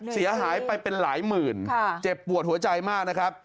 เสียหายไปเป็นหลายหมื่นเจ็บปวดหัวใจมากนะครับ